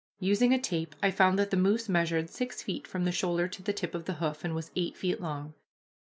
Using a tape, I found that the moose measured six feet from the shoulder to the tip of the hoof, and was eight feet long.